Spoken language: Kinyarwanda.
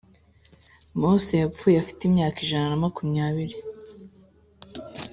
Mose yapfuye afite imyaka ijana na makumyabiri.